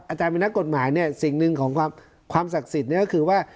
อาจารย์บินักกฎหมายสิ่งหนึ่งของความศักดิ์สิทธิ์นั้นก็คือว่า